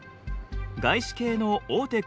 外資系の大手